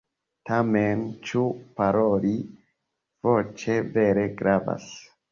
Tamen, ĉu paroli voĉe vere gravas?